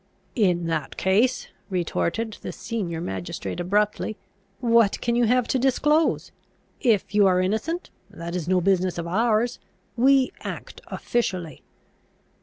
"In that case," retorted the senior magistrate abruptly, "what can you have to disclose? If you are innocent, that is no business of ours! We act officially."